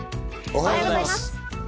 おはようございます。